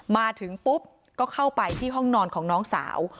มาถึงปุ๊บก็เข้าไปที่ห้องนอนของน้องสาว